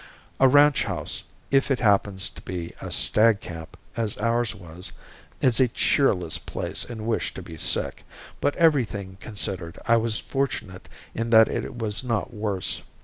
A ranch house, if it happens to be a "stag camp" as ours was, is a cheerless place in which to be sick, but everything considered, I was fortunate in that it was not worse.